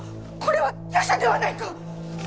これは夜叉ではないか！